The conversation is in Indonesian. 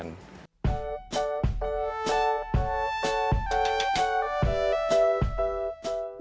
kandungan habatus sauda